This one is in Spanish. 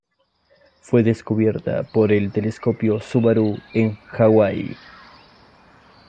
Fue descubierta por el telescopio Subaru en Hawái.